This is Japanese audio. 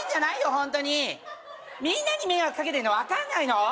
ホントにみんなに迷惑かけてんの分かんないの？